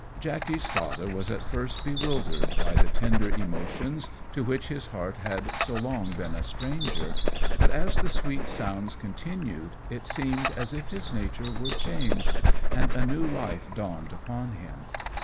Jackey's father was at first bewildered by the tender emotions to which his heart had so long been a stranger, but as the sweet sounds continued, it seemed as if his nature were changed and a new life dawned upon him.